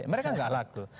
mereka tidak laku